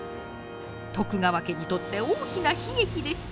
徳川家にとって大きな悲劇でした。